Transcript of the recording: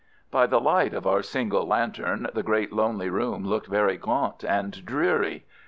By the light of our single lantern the great lonely room looked very gaunt and dreary.